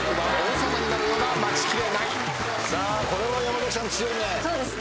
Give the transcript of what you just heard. これは山崎さん強いね。